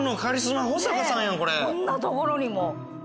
こんなところにも！